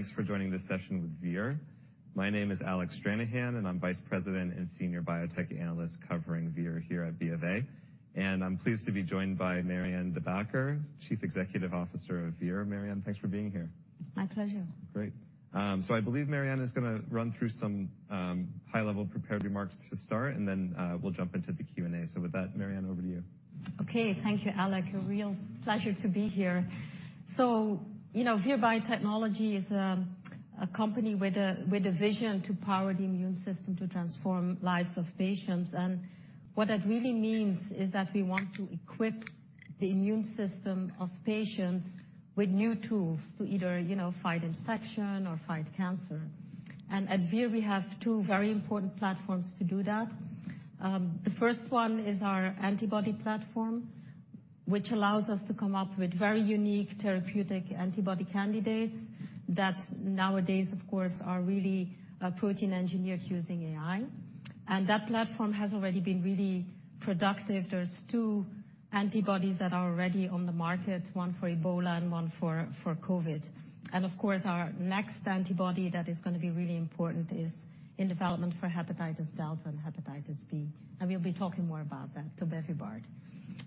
Thanks for joining this session with Vir. My name is Alec Stranahan, and I'm Vice President and Senior Biotech Analyst covering Vir here at BofA. And I'm pleased to be joined by Marianne De Backer, Chief Executive Officer of Vir. Marianne, thanks for being here. My pleasure. Great. So I believe Marianne is gonna run through some high-level prepared remarks to start, and then we'll jump into the Q&A. So with that, Marianne, over to you. Okay. Thank you, Alec. A real pleasure to be here. So, you know, Vir Biotechnology is a company with a vision to power the immune system to transform lives of patients. And what that really means is that we want to equip the immune system of patients with new tools to either, you know, fight infection or fight cancer. And at Vir, we have two very important platforms to do that. The first one is our antibody platform, which allows us to come up with very unique therapeutic antibody candidates that nowadays, of course, are really protein-engineered using AI. And that platform has already been really productive. There's two antibodies that are already on the market, one for Ebola and one for COVID. Of course, our next antibody that is gonna be really important is in development for hepatitis delta and hepatitis B, and we'll be talking more about that tobevibart.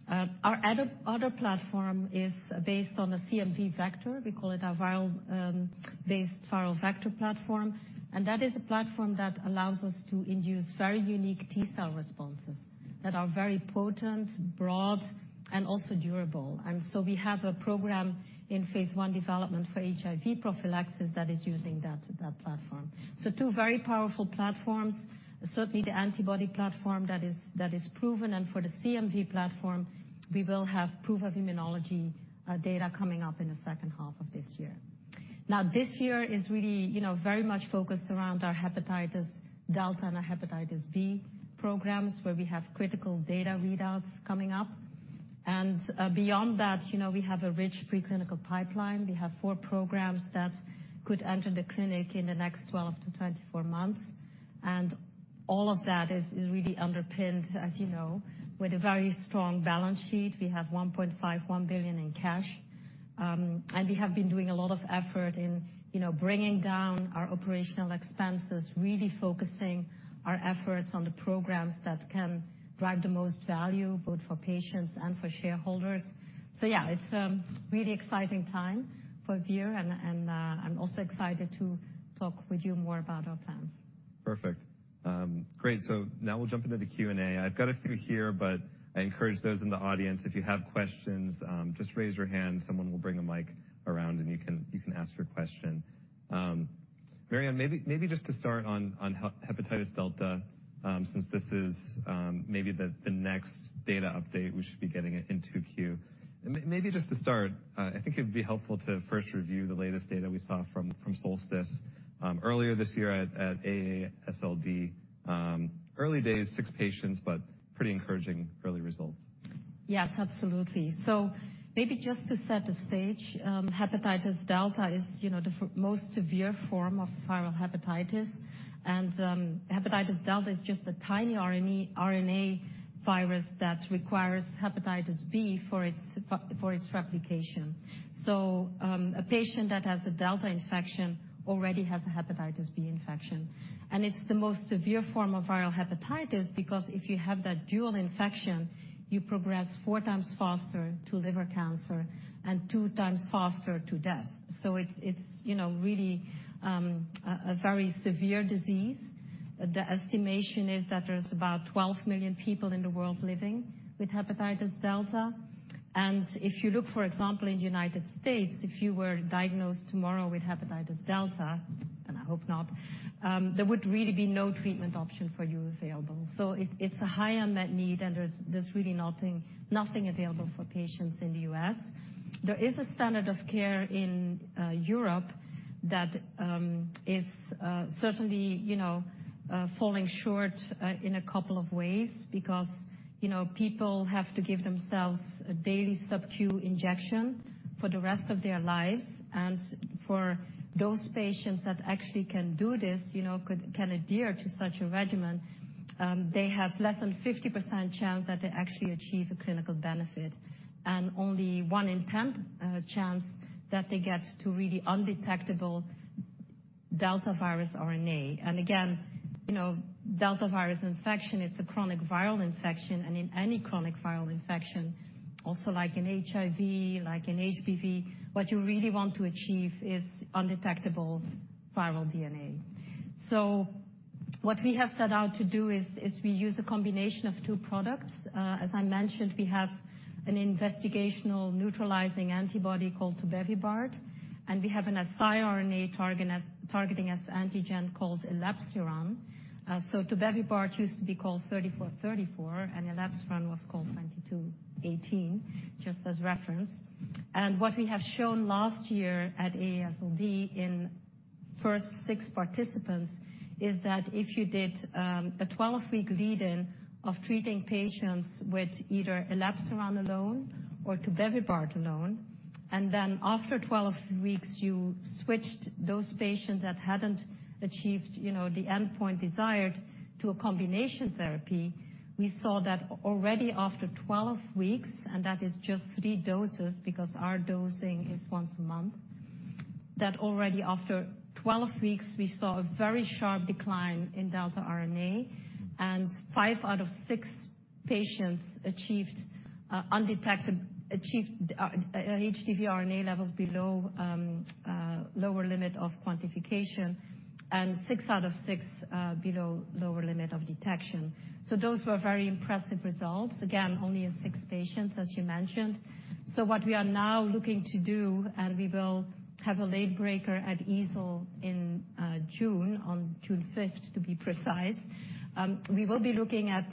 Our other platform is based on a CMV vector. We call it our viral-based viral vector platform, and that is a platform that allows us to induce very unique T-cell responses that are very potent, broad, and also durable. So we have a program in phase I development for HIV prophylaxis that is using that platform. Two very powerful platforms. Certainly, the antibody platform that is proven, and for the CMV platform, we will have proof of immunology data coming up in the H2 of this year. Now, this year is really, you know, very much focused around our hepatitis delta and our hepatitis B programs, where we have critical data readouts coming up. And beyond that, you know, we have a rich preclinical pipeline. We have four programs that could enter the clinic in the next 12-24 months, and all of that is really underpinned, as you know, with a very strong balance sheet. We have $1.51 billion in cash. And we have been doing a lot of effort in, you know, bringing down our operational expenses, really focusing our efforts on the programs that can drive the most value, both for patients and for shareholders. So yeah, it's a really exciting time for Vir, and I'm also excited to talk with you more about our plans. Perfect. Great. Now we'll jump into the Q&A. I've got a few here, but I encourage those in the audience, if you have questions, just raise your hand. Someone will bring a mic around, and you can, you can ask your question. Marianne, maybe, maybe just to start on hepatitis delta, since this is, maybe, the next data update, we should be getting it in Q2. Maybe just to start, I think it'd be helpful to first review the latest data we saw from SOLSTICE, earlier this year at AASLD. Early days, six patients, but pretty encouraging early results. Yes, absolutely. So maybe just to set the stage, hepatitis delta is, you know, the most severe form of viral hepatitis. And, hepatitis delta is just a tiny RNA virus that requires hepatitis B for its replication. So, a patient that has a delta infection already has a hepatitis B infection, and it's the most severe form of viral hepatitis because if you have that dual infection, you progress four times faster to liver cancer and two times faster to death. So it's, it's, you know, really, a very severe disease. The estimation is that there's about 12 million people in the world living with hepatitis delta. And if you look, for example, in the United States, if you were diagnosed tomorrow with hepatitis delta, and I hope not, there would really be no treatment option for you available. So it's a high unmet need, and there's really nothing available for patients in the U.S. There is a standard of care in Europe that is certainly, you know, falling short in a couple of ways because, you know, people have to give themselves a daily sub-Q injection for the rest of their lives. And for those patients that actually can do this, you know, can adhere to such a regimen, they have less than 50% chance that they actually achieve a clinical benefit, and only one in 10 chance that they get to really undetectable delta virus RNA. And again, you know, delta virus infection, it's a chronic viral infection, and in any chronic viral infection, also like in HIV, like in HPV, what you really want to achieve is undetectable viral DNA. So what we have set out to do is we use a combination of two products. As I mentioned, we have an investigational neutralizing antibody called tobevibart, and we have an siRNA targeting S-antigen called elebsiran. So tobevibart used to be called 34-34, and elebsiran was called 22-18, just as reference. And what we have shown last year at AASLD in first 6 participants is that if you did a 12-week lead-in of treating patients with either elebsiran alone or tobevibart alone, and then after 12 weeks, you switched those patients that hadn't achieved, you know, the endpoint desired to a combination therapy, we saw that already after 12 weeks, and that is just three doses, because our dosing is once a month- That already after 12 weeks, we saw a very sharp decline in delta RNA, and five out of six patients achieved undetected HDV RNA levels below lower limit of quantification, and six out of six below lower limit of detection. So those were very impressive results. Again, only in six patients, as you mentioned. So what we are now looking to do and we will have a late breaker at EASL in June, on June fifth, to be precise, we will be looking at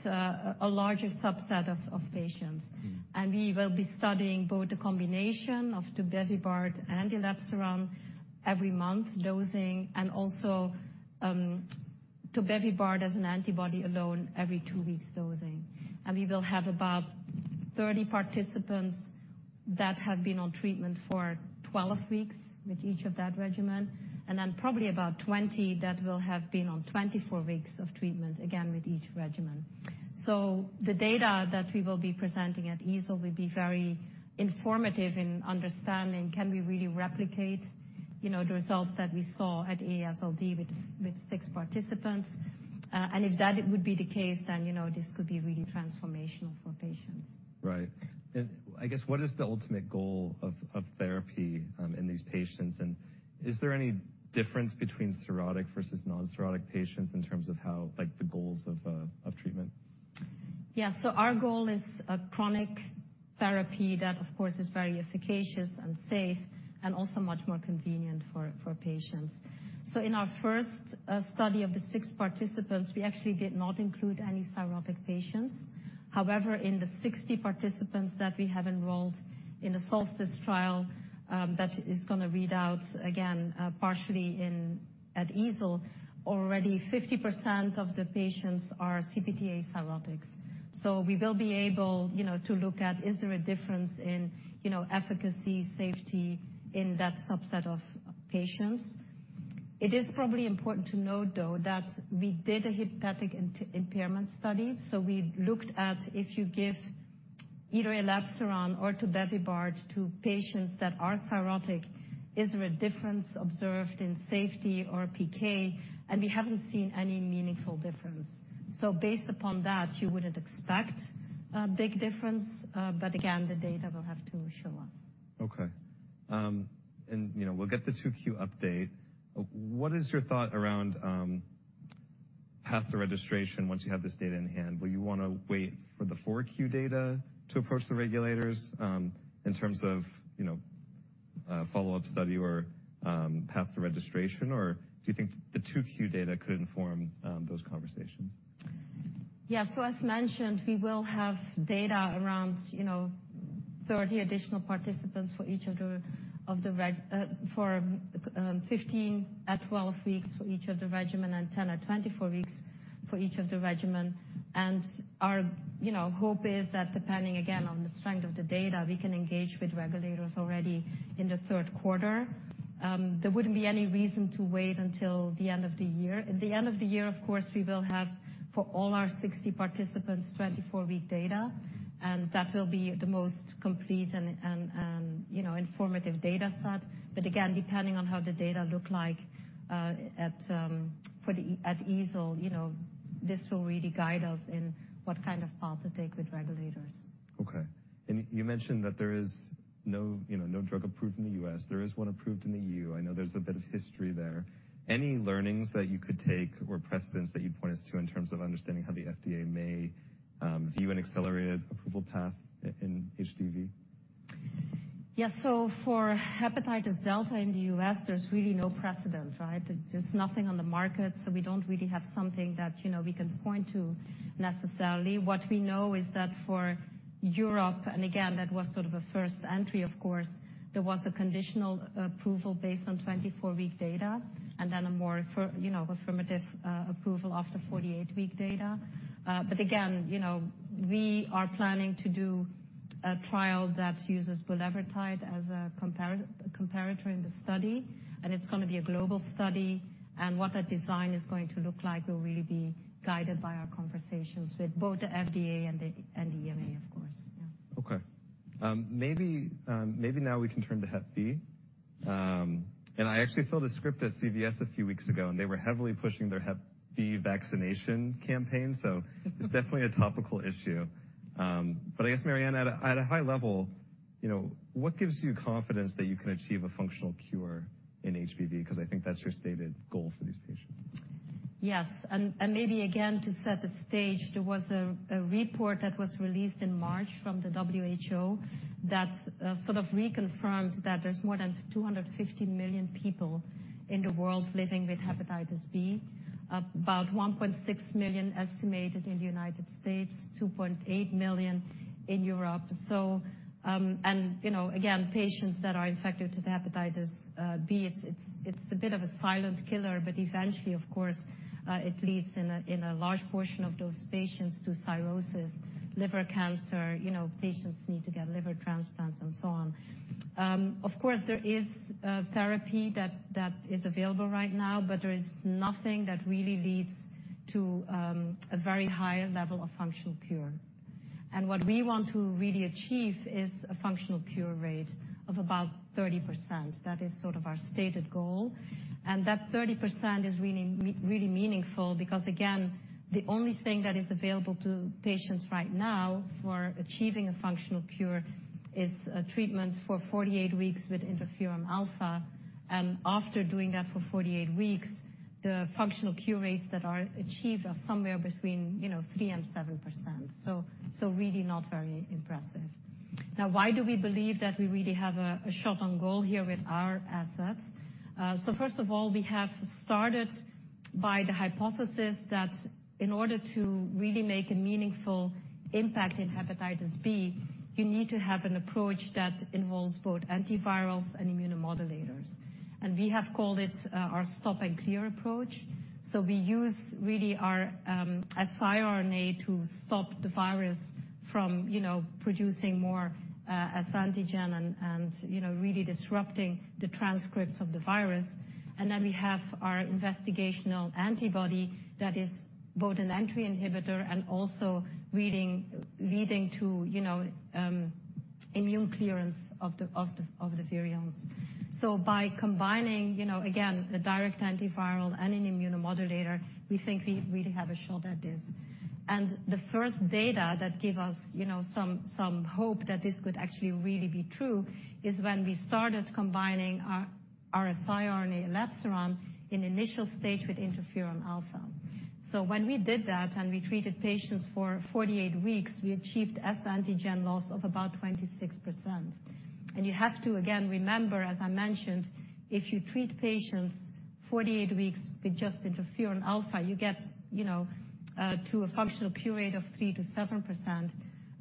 a larger subset of patients. Mm-hmm. We will be studying both the combination of tobevibart and elebsiran every month, dosing, and also, tobevibart as an antibody alone every two weeks dosing. We will have about 30 participants that have been on treatment for 12 weeks with each of that regimen, and then probably about 20 that will have been on 24 weeks of treatment, again, with each regimen. So the data that we will be presenting at EASL will be very informative in understanding, can we really replicate, you know, the results that we saw at AASLD with six participants? And if that would be the case, then, you know, this could be really transformational for patients. Right. And I guess, what is the ultimate goal of therapy in these patients? And is there any difference between cirrhotic versus non-cirrhotic patients in terms of how, like, the goals of treatment? Yeah. So our goal is a chronic therapy that, of course, is very efficacious and safe, and also much more convenient for, for patients. So in our first study of the 6 participants, we actually did not include any cirrhotic patients. However, in the 60 participants that we have enrolled in the SOLSTICE trial, that is gonna read out again, partially in, at EASL, already 50% of the patients are CPT-A cirrhotics. So we will be able, you know, to look at is there a difference in, you know, efficacy, safety in that subset of patients. It is probably important to note, though, that we did a hepatic impairment study. So we looked at if you give either elebsiran or tobevibart to patients that are cirrhotic, is there a difference observed in safety or PK? And we haven't seen any meaningful difference. So based upon that, you wouldn't expect a big difference, but again, the data will have to show us. Okay. And, you know, we'll get the Q2 update. What is your thought around path to registration once you have this data in hand? Will you wanna wait for the Q4 data to approach the regulators, in terms of, you know, follow-up study or path to registration, or do you think the Q2 data could inform those conversations? Yeah. So as mentioned, we will have data around, you know, 30 additional participants for each of the, of the fifteen at 12 weeks for each of the regimen and 10 at 24 weeks for each of the regimen. And our, you know, hope is that depending again on the strength of the data, we can engage with regulators already in the Q3. There wouldn't be any reason to wait until the end of the year. At the end of the year, of course, we will have, for all our 60 participants, 24 week data, and that will be the most complete and, and, you know, informative data set. But again, depending on how the data look like at EASL, you know, this will really guide us in what kind of path to take with regulators. Okay. And you mentioned that there is no, you know, no drug approved in the U.S. There is one approved in the E.U. I know there's a bit of history there. Any learnings that you could take or precedents that you'd point us to in terms of understanding how the FDA may view an accelerated approval path in HDV? Yeah, so for hepatitis Delta in the U.S., there's really no precedent, right? There's nothing on the market, so we don't really have something that, you know, we can point to necessarily. What we know is that for Europe, and again, that was sort of a first entry, of course, there was a conditional approval based on 24-week data, and then a more affirmative, you know, approval after 48-week data. But again, you know, we are planning to do a trial that uses bulevirtide as a comparator in the study, and it's gonna be a global study. And what that design is going to look like will really be guided by our conversations with both the FDA and the EMA, of course. Yeah. Okay. Maybe now we can turn to Hep B. And I actually filled a script at CVS a few weeks ago, and they were heavily pushing their Hep B vaccination campaign, so it's definitely a topical issue. But I guess, Marianne, at a high level, you know, what gives you confidence that you can achieve a functional cure in HBV? 'Cause I think that's your stated goal for these patients. Yes, and maybe again, to set the stage, there was a report that was released in March from the WHO that sort of reconfirmed that there's more than 250 million people in the world living with hepatitis B. About 1.6 million estimated in the United States, 2.8 million in Europe. So, you know, again, patients that are infected with hepatitis B, it's a bit of a silent killer, but eventually, of course, it leads in a large portion of those patients to cirrhosis, liver cancer, you know, patients need to get liver transplants and so on. Of course, there is therapy that is available right now, but there is nothing that really leads to a very high level of functional cure. And what we want to really achieve is a functional cure rate of about 30%. That is sort of our stated goal, and that 30% is really meaningful, because again, the only thing that is available to patients right now for achieving a functional cure is a treatment for 48 weeks with interferon alpha. And after doing that for 48 weeks, the functional cure rates that are achieved are somewhere between, you know, 3%-7%, so really not very impressive. Now, why do we believe that we really have a shot on goal here with our assets? So first of all, we have started by the hypothesis that in order to really make a meaningful impact in hepatitis B, you need to have an approach that involves both antivirals and immunomodulators. And we have called it our stop and clear approach. So we use really our siRNA to stop the virus from, you know, producing more S-antigen and, you know, really disrupting the transcripts of the virus. And then we have our investigational antibody that is both an entry inhibitor and also leading to, you know, immune clearance of the virions. So by combining, you know, again, the direct antiviral and an immunomodulator, we think we really have a shot at this. And the first data that give us, you know, some, some hope that this could actually really be true, is when we started combining our, our siRNA elebsiran in initial stage with interferon alpha. So when we did that, and we treated patients for 48 weeks, we achieved S-antigen loss of about 26%. And you have to, again, remember, as I mentioned, if you treat patients 48 weeks with just interferon alpha, you get, you know, to a functional cure rate of 3%-7%,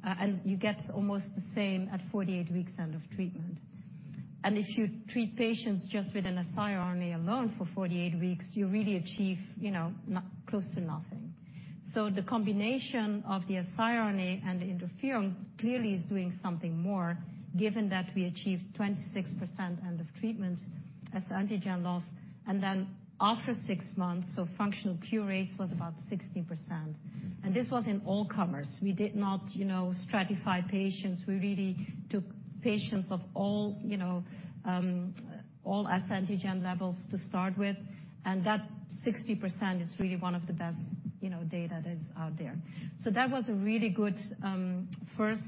and you get almost the same at 48 weeks end of treatment. And if you treat patients just with an siRNA alone for 48 weeks, you really achieve, you know, not close to nothing. So the combination of the siRNA and the interferon clearly is doing something more, given that we achieved 26% end of treatment S-antigen loss, and then after six months, so functional cure rates was about 60%. And this was in all comers. We did not, you know, stratify patients. We really took patients of all, you know, all S-antigen levels to start with, and that 60% is really one of the best, you know, data that is out there. So that was a really good first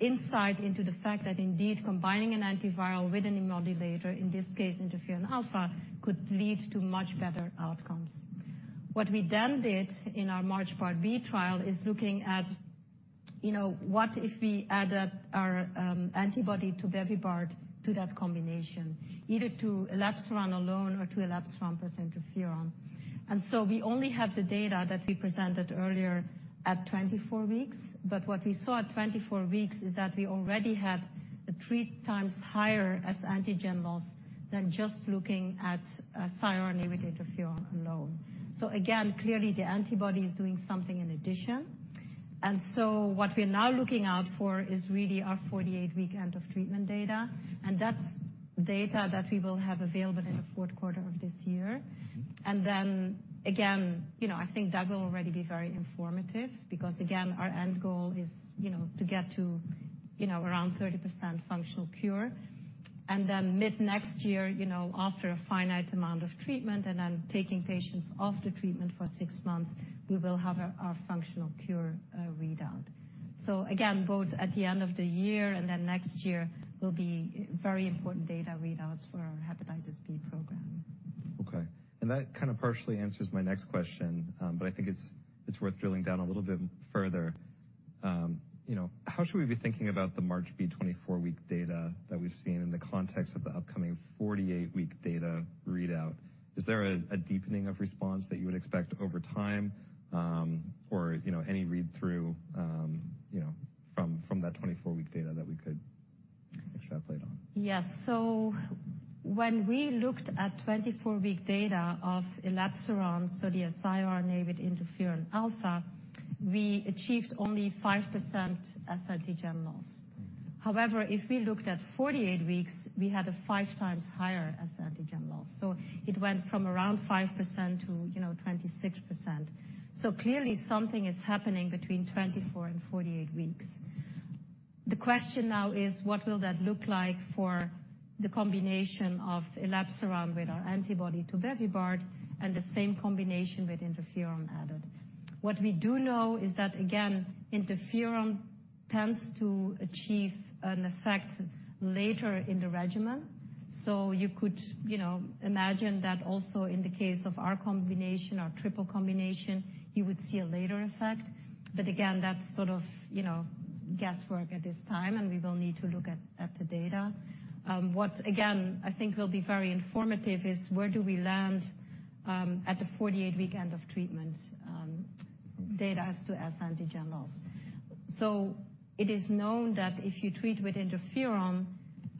insight into the fact that indeed, combining an antiviral with an immunomodulator, in this case, interferon alpha, could lead to much better outcomes. What we then did in our MARCH Part B trial is looking at, you know, what if we add up our antibody tobevibart to that combination, either to elebsiran alone or to elebsiran plus interferon. So we only have the data that we presented earlier at 24 weeks, but what we saw at 24 weeks is that we already had a three times higher S-antigen loss than just looking at siRNA with interferon alone. So again, clearly the antibody is doing something in addition. So what we are now looking out for is really our 48-week end-of-treatment data, and that's data that we will have available in the Q4 of this year. And then again, you know, I think that will already be very informative because, again, our end goal is, you know, to get to, you know, around 30% functional cure. And then mid-next year, you know, after a finite amount of treatment, and then taking patients off the treatment for six months, we will have our, our functional cure, read out. So again, both at the end of the year and then next year will be very important data readouts for our hepatitis B program. Okay, and that kind of partially answers my next question, but I think it's worth drilling down a little bit further. You know, how should we be thinking about the MARCH 24-week data that we've seen in the context of the upcoming 48-week data readout? Is there a deepening of response that you would expect over time, or, you know, any read-through, you know, from that 24-week data that we could extrapolate on? Yes. So when we looked at 24-week data of elebsiran, so the siRNA with interferon alpha, we achieved only 5% S-antigen loss. However, if we looked at 48 weeks, we had a five times higher S-antigen loss. So it went from around 5% to, you know, 26%. So clearly, something is happening between 24 and 48 weeks. The question now is, what will that look like for the combination of elebsiran with our antibody tobevibart, and the same combination with interferon added? What we do know is that, again, interferon tends to achieve an effect later in the regimen, so you could, you know, imagine that also in the case of our combination, our triple combination, you would see a later effect. But again, that's sort of, you know, guesswork at this time, and we will need to look at the data. Again, I think will be very informative is where do we land, at the 48-week end of treatment, data as to S-antigen loss? So it is known that if you treat with interferon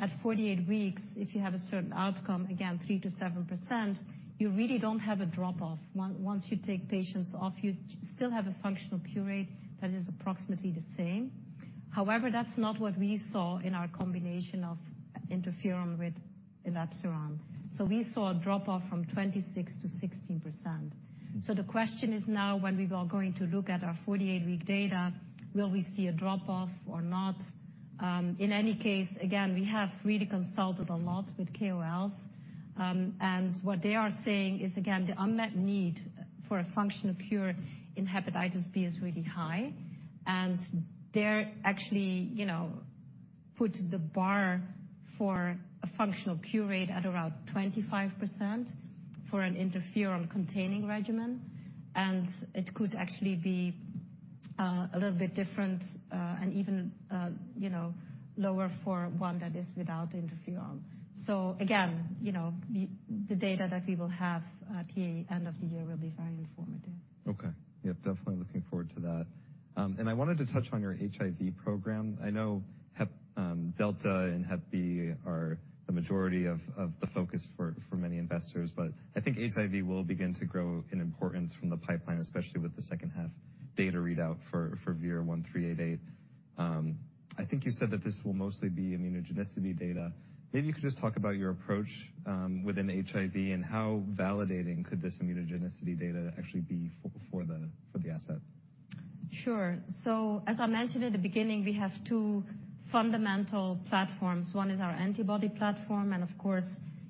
at 48 weeks, if you have a certain outcome, again, 3%-7%, you really don't have a drop-off. Once you take patients off, you still have a functional cure rate that is approximately the same. However, that's not what we saw in our combination of interferon with elebsiran. So we saw a drop-off from 26%-16%. So the question is now, when we are going to look at our 48-week data, will we see a drop-off or not? In any case, again, we have really consulted a lot with KOLs. And what they are saying is, again, the unmet need for a functional cure in hepatitis B is really high, and they're actually, you know, put the bar for a functional cure rate at around 25% for an interferon-containing regimen. And it could actually be a little bit different, and even, you know, lower for one that is without interferon. So again, you know, the data that we will have at the end of the year will be very informative. Okay. Yep, definitely looking forward to that. And I wanted to touch on your HIV program. I know Hep Delta and Hep B are the majority of the focus for many investors, but I think HIV will begin to grow in importance from the pipeline, especially with the H2 data readout for VIR-1388. I think you said that this will mostly be immunogenicity data. Maybe you could just talk about your approach within HIV, and how validating could this immunogenicity data actually be for the asset? Sure. So, as I mentioned at the beginning, we have two fundamental platforms. One is our antibody platform, and of course,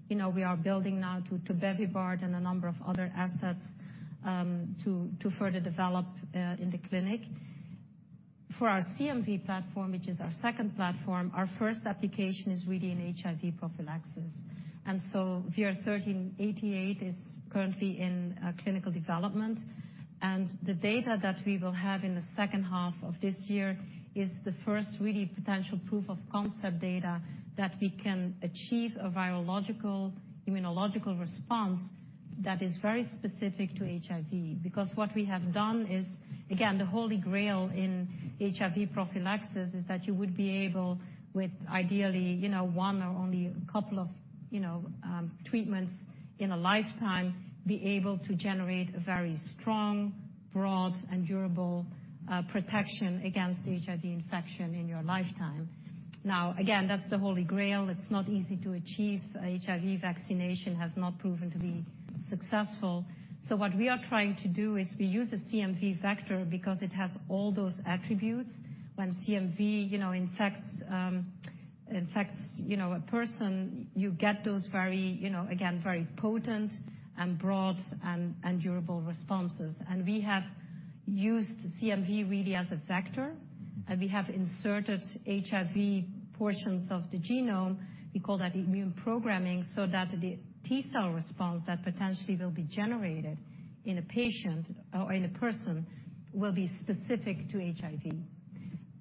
you know, we are building now to tobevibart and a number of other assets, to further develop in the clinic. For our CMV platform, which is our second platform, our first application is really in HIV prophylaxis. And so VIR-1388 is currently in clinical development, and the data that we will have in the H2 of this year is the first really potential proof of concept data that we can achieve a virological immunological response that is very specific to HIV. Because what we have done is, again, the Holy Grail in HIV prophylaxis is that you would be able, with ideally, you know, one or only a couple of, you know, treatments in a lifetime, be able to generate a very strong, broad, and durable protection against HIV infection in your lifetime. Now, again, that's the Holy Grail. It's not easy to achieve. HIV vaccination has not proven to be successful. So what we are trying to do is we use a CMV vector because it has all those attributes. When CMV, you know, infects a person, you get those very, you know, again, very potent and broad and durable responses. We have used CMV really as a vector, and we have inserted HIV portions of the genome. We call that immune programming, so that the T-cell response that potentially will be generated in a patient or in a person will be specific to HIV.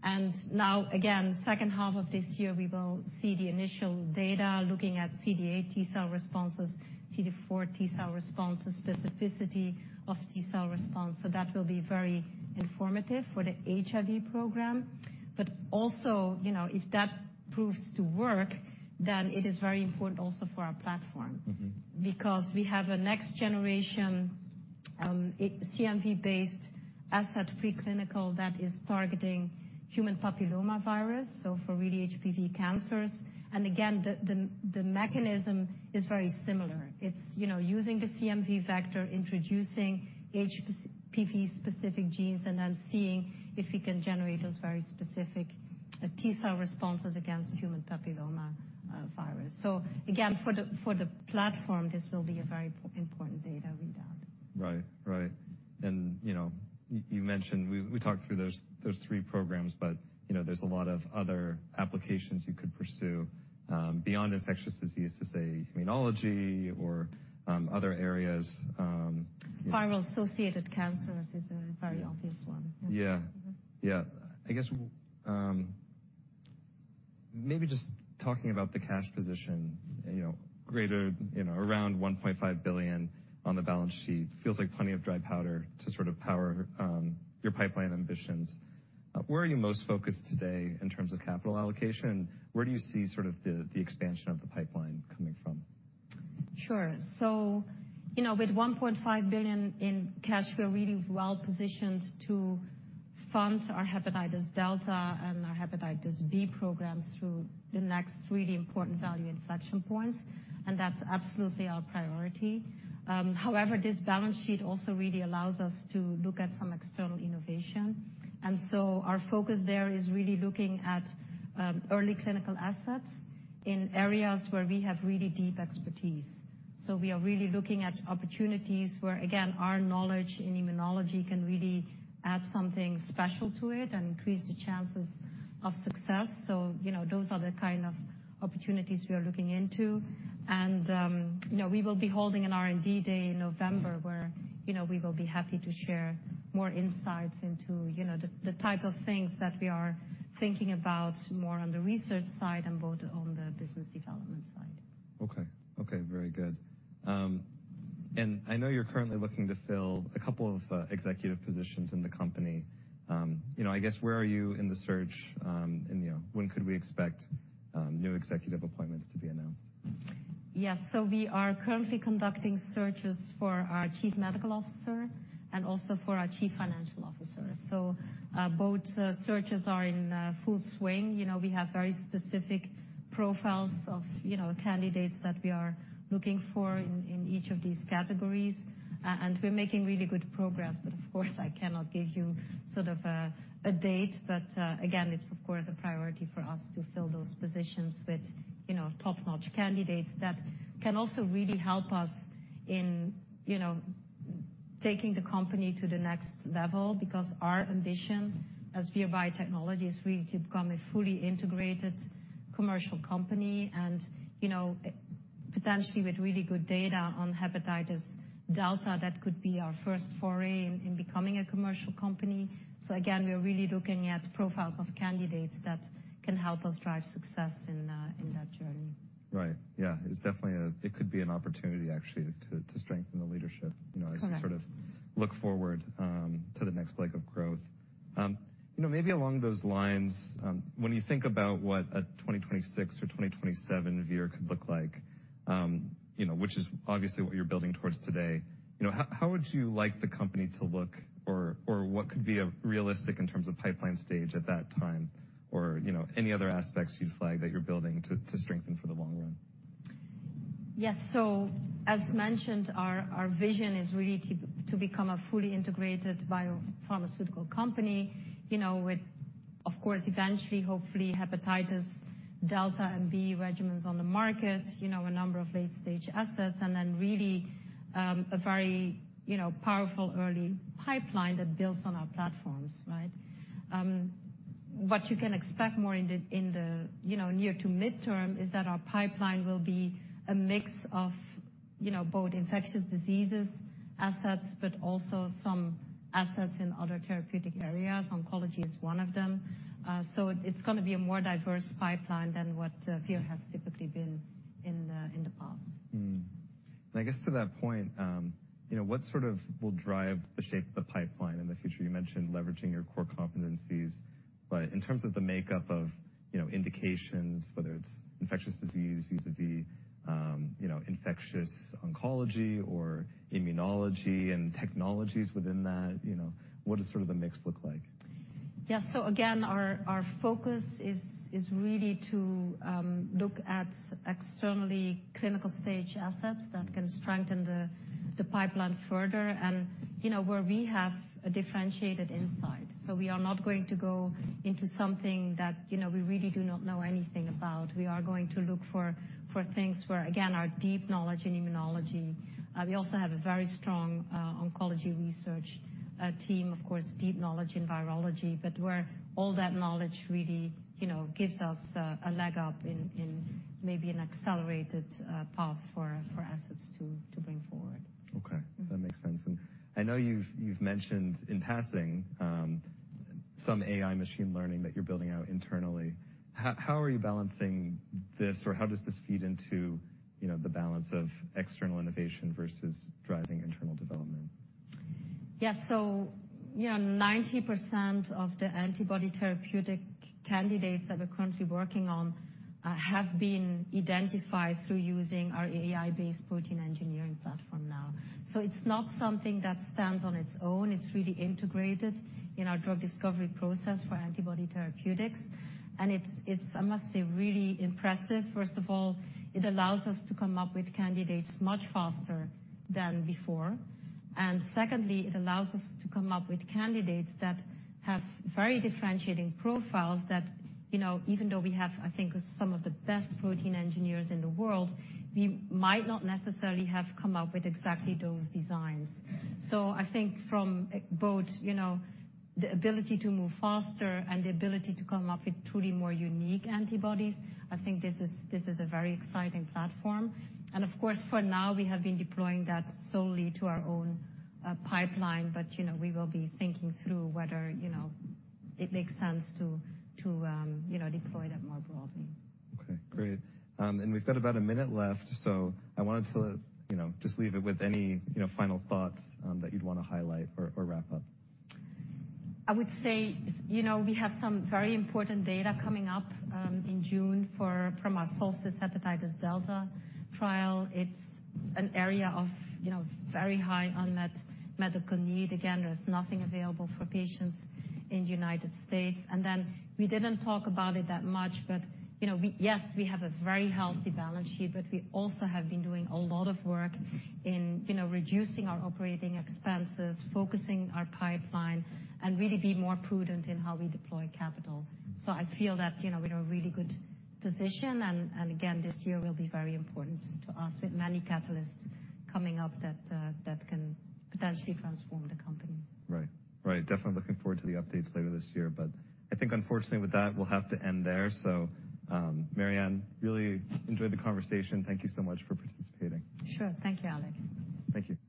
And now, again, H2 of this year, we will see the initial data looking at CD8 T-cell responses, CD4 T-cell responses, specificity of T-cell response. So that will be very informative for the HIV program. But also, you know, if that proves to work, then it is very important also for our platform- Mm-hmm. Because we have a next-generation CMV-based asset, preclinical, that is targeting human papillomavirus, so for really HPV cancers. And again, the mechanism is very similar. It's, you know, using the CMV vector, introducing HPV-specific genes, and then seeing if we can generate those very specific T-cell responses against the human papillomavirus. So again, for the platform, this will be a very important data readout. Right. Right. You know, you mentioned we talked through those three programs, but you know, there's a lot of other applications you could pursue beyond infectious disease, to say, immunology or other areas. Viral-associated cancers is a very obvious one. Yeah. Yeah. I guess, maybe just talking about the cash position, you know, greater, you know, around $1.5 billion on the balance sheet, feels like plenty of dry powder to sort of power your pipeline ambitions. Where are you most focused today in terms of capital allocation? Where do you see sort of the, the expansion of the pipeline coming from? Sure. So, you know, with $1.5 billion in cash, we are really well positioned to fund our hepatitis delta and our hepatitis B programs through the next really important value inflection points, and that's absolutely our priority. However, this balance sheet also really allows us to look at some external innovation. And so our focus there is really looking at early clinical assets in areas where we have really deep expertise. So we are really looking at opportunities where, again, our knowledge in immunology can really add something special to it and increase the chances of success. So, you know, those are the kind of opportunities we are looking into. You know, we will be holding an R&D day in November where, you know, we will be happy to share more insights into, you know, the type of things that we are thinking about more on the research side and both on the business development side. Okay. Okay, very good. And I know you're currently looking to fill a couple of executive positions in the company. You know, I guess, where are you in the search? When could we expect new executive appointments to be announced? Yes, so we are currently conducting searches for our Chief Medical Officer and also for our Chief Financial Officer. So, both searches are in full swing. You know, we have very specific profiles of, you know, candidates that we are looking for in each of these categories, and we're making really good progress. But of course, I cannot give you sort of a date. But, again, it's of course a priority for us to fill those positions with, you know, top-notch candidates that can also really help us in, you know, taking the company to the next level. Because our ambition as Vir Biotechnology is really to become a fully integrated commercial company, and, you know, potentially with really good data on hepatitis delta, that could be our first foray in becoming a commercial company. So again, we are really looking at profiles of candidates that can help us drive success in that journey. Right. Yeah, it's definitely a-- It could be an opportunity, actually, to, to strengthen the leadership, you know- Correct -as we sort of look forward to the next leg of growth. You know, maybe along those lines, when you think about what a 2026 or 2027 year could look like, you know, which is obviously what you're building towards today, you know, how, how would you like the company to look, or, or what could be realistic in terms of pipeline stage at that time? Or, you know, any other aspects you'd flag that you're building to, to strengthen for the long run? Yes. So as mentioned, our vision is really to become a fully integrated biopharmaceutical company, you know, with, of course, eventually, hopefully, hepatitis delta and B regimens on the market, you know, a number of late-stage assets, and then really, a very, you know, powerful early pipeline that builds on our platforms, right? What you can expect more in the, in the, you know, near to midterm is that our pipeline will be a mix of, you know, both infectious diseases assets, but also some assets in other therapeutic areas. Oncology is one of them. So it's gonna be a more diverse pipeline than what Vir has typically been in the, in the past. I guess to that point, you know, what sort of will drive the shape of the pipeline in the future? You mentioned leveraging your core competencies, but in terms of the makeup of, you know, indications, whether it's infectious disease, vis-à-vis, you know, infectious oncology or immunology and technologies within that, you know, what does sort of the mix look like? Yeah. So again, our focus is really to look at externally clinical stage assets that can strengthen the pipeline further and, you know, where we have a differentiated insight. So we are not going to go into something that, you know, we really do not know anything about. We are going to look for things where, again, our deep knowledge in immunology. We also have a very strong oncology research team, of course, deep knowledge in virology, but where all that knowledge really, you know, gives us a leg up in maybe an accelerated path for assets to bring forward. Okay. Mm. That makes sense. And I know you've mentioned in passing some AI machine learning that you're building out internally. How are you balancing this, or how does this feed into, you know, the balance of external innovation versus driving internal development? Yeah. So, you know, 90% of the antibody therapeutic candidates that we're currently working on have been identified through using our AI-based protein engineering platform now. So it's not something that stands on its own. It's really integrated in our drug discovery process for antibody therapeutics, and it's, I must say, really impressive. First of all, it allows us to come up with candidates much faster than before. And secondly, it allows us to come up with candidates that have very differentiating profiles that, you know, even though we have, I think, some of the best protein engineers in the world, we might not necessarily have come up with exactly those designs. So I think from both, you know, the ability to move faster and the ability to come up with truly more unique antibodies, I think this is a very exciting platform. And of course, for now, we have been deploying that solely to our own pipeline. But, you know, we will be thinking through whether, you know, it makes sense to, you know, deploy that more broadly. Okay, great. And we've got about a minute left, so I wanted to, you know, just leave it with any, you know, final thoughts that you'd want to highlight or, or wrap up. I would say, you know, we have some very important data coming up in June from our SOLSTICE hepatitis delta trial. It's an area of, you know, very high unmet medical need. Again, there's nothing available for patients in the United States. And then we didn't talk about it that much, but, you know, we yes, we have a very healthy balance sheet, but we also have been doing a lot of work in, you know, reducing our operating expenses, focusing our pipeline, and really be more prudent in how we deploy capital. So I feel that, you know, we're in a really good position, and, and again, this year will be very important to us, with many catalysts coming up that that can potentially transform the company. Right. Right. Definitely looking forward to the updates later this year, but I think unfortunately, with that, we'll have to end there. So, Marianne, really enjoyed the conversation. Thank you so much for participating. Sure. Thank you, Alec. Thank you.